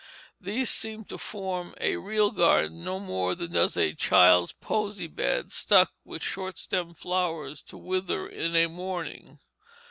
These seem to form a real garden no more than does a child's posy bed stuck with short stemmed flowers to wither in a morning.